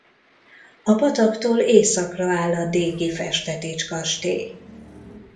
A pataktól északra áll a dégi Festetics-kastély.